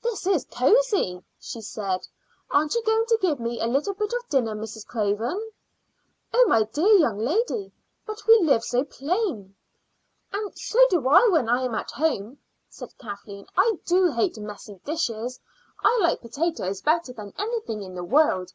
"This is cosy," she said. "Aren't you going to give me a little bit of dinner, Mrs. Craven?" "Oh, my dear young lady, but we live so plain!" "And so do I when I am at home," said Kathleen. "I do hate messy dishes. I like potatoes better than anything in the world.